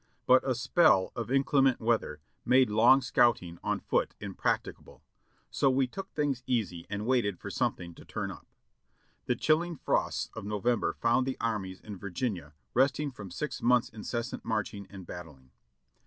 But a spell of inclement weather made long scouting on foot im practicable, so we took things easy and waited for something to turn up. The chilling frosts of November found the armies in Virginia resting from six months' incessant marching and battling.